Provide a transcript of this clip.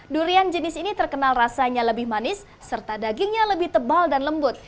durian jenis ini terkenal rasanya lebih manis serta dagingnya lebih tebal dan lembut